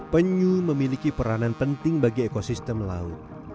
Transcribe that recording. penyu memiliki peranan penting bagi ekosistem laut